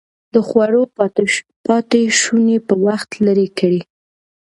د خوړو پاتې شوني په وخت لرې کړئ.